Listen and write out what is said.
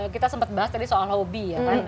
kita sempat bahas tadi soal lobby ya kan